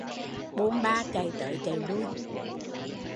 Bôn ba chạy tới chạy lui